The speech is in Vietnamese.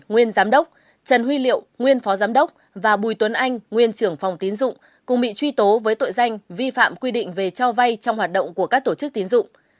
nguyên giám đốc trần huy liệu nguyên phó giám đốc và bùi tuấn anh nguyên trưởng phòng tín dụng cùng bị truy tố với tội danh vi phạm quy định về cho vay trong hoạt động của các tổ chức tiến dụng